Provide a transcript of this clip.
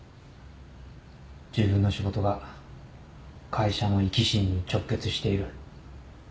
自分の仕事が会社の生き死にに直結している。